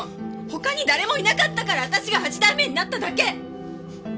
他に誰もいなかったから私が八代目になっただけ。